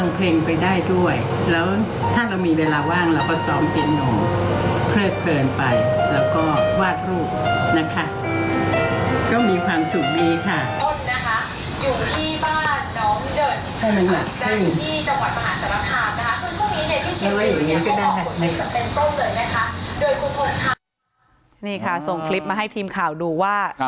นี่ค่ะส่งคลิปมาให้ทีมข่าวดูว่า